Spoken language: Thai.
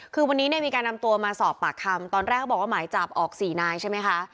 คือวันนี้เนี่ยมีการนำตัวมาสอบปากคำตอนแรกเขาบอกว่าหมายจับออกสี่นายใช่ไหมคะ